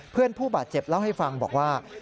ผู้บาดเจ็บเล่าให้ฟังบอกว่า